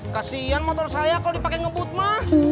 kasian motor saya kalo dipake ngebut mah